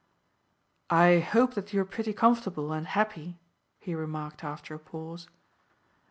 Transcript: "I hope that you are pretty comfortable and happy," he remarked after a pause.